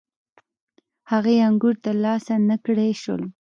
هغې انګور ترلاسه نه کړای شول.